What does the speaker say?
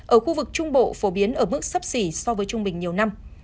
ở khu vực trung bộ phổ biến ở mức sấp xỉ so với trung bình nhiều năm